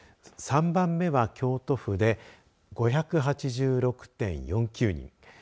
３番目は、京都府で５８６．４９人。